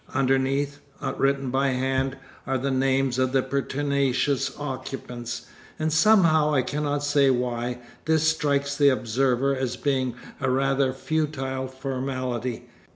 Underneath, written by hand, are the names of the pertinacious occupants, and somehow, I cannot say why, this strikes the observer as being a rather futile formality.